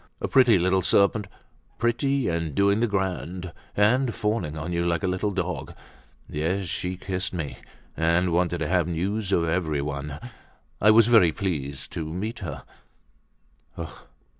A pretty little serpent, pretty, and doing the grand, and fawning on you like a little dog. Yes, she kissed me, and wanted to have news of everyone—I was very pleased to meet her."